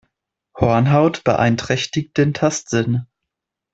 Hornhaut beeinträchtigt den Tastsinn.